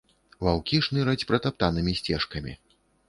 Ваўкі шныраць пратаптанымі сцежкамі.